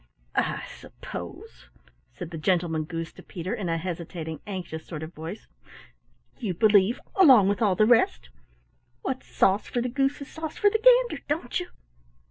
"I suppose," said the Gentleman Goose to Peter in a hesitating, anxious sort of voice, "you believe along with all the rest, what's sauce for the goose is sauce for the gander, don't you?